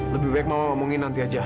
lebih baik mau ngomongin nanti aja